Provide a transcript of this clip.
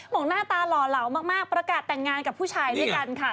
หน้าตาหล่อเหลามากประกาศแต่งงานกับผู้ชายด้วยกันค่ะ